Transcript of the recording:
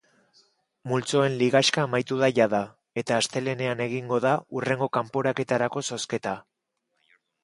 Multzoen ligaxka amaitu da jada, eta astelehenean egingo da hurrengo kanporaketarako zozketa.